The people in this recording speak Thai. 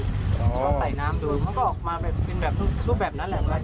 ก็ใส่น้ำดูมันก็ออกมาเป็นรูปแบบนั้นแหละ